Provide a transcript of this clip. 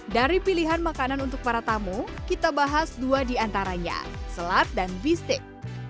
dari pilihan makanan untuk para tamu kita bahas dua di antaranya selat dan bistik